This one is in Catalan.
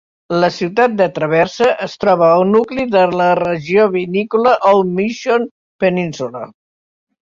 La ciutat de Traverse es troba al nucli de la regió vinícola Old Mission Peninsula.